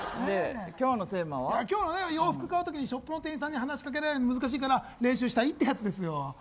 今日は洋服買う時にショップの店員さんに話しかけられるの難しいから練習したいってやつですよ。